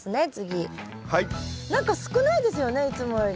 何か少ないですよねいつもより。